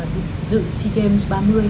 định dự sea games ba mươi